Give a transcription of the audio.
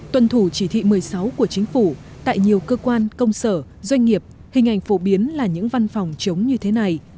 tuần thủ chỉ thị một mươi sáu của chính phủ tại nhiều cơ quan công sở doanh nghiệp hình ảnh phổ biến là những văn phòng chống như thế này